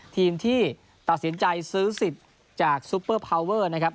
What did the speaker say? ทีมที่ตัดสินใจซื้อสิทธิ์จากซุปเปอร์พาวเวอร์นะครับ